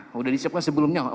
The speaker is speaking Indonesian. sudah disiapkan sebelumnya